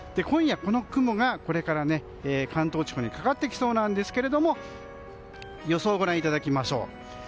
今夜、この雲がこれから関東地方にかかってきそうですが予想をご覧いただきましょう。